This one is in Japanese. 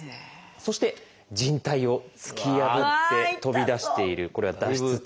そして靭帯を突き破って飛び出しているこれは「脱出」タイプ。